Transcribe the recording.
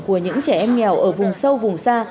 của những trẻ em nghèo ở vùng sâu vùng xa